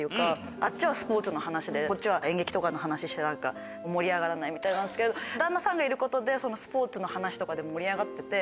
あっちはスポーツの話でこっちは演劇とかの話して盛り上がらないみたいなんですけど旦那さんがいることでスポーツの話とかで盛り上がってて。